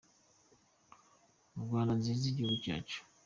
Rwanda nziza Gihugu cyacu